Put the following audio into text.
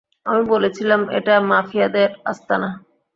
আমি বলেছিলাম, এটা মাফিয়াদের আস্তানা।